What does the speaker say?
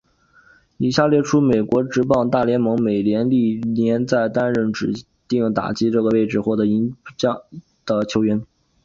以下列出美国职棒大联盟美联历年在担任指定打击这个位置时获得银棒奖的球员。